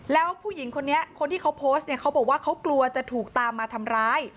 แล้วผู้หญิงคนนี้คนที่เขาโพสต์เนี่ยเขาบอกว่าเขากลัวจะถูกตามมาทำร้าย